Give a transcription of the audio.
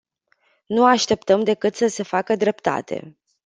Nu așteptăm decât să se facă dreptate.